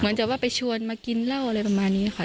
จะว่าไปชวนมากินเหล้าอะไรประมาณนี้ค่ะ